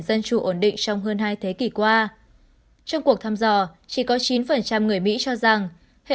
dân chủ ổn định trong hơn hai thế kỷ qua trong cuộc thăm dò chỉ có chín người mỹ cho rằng hệ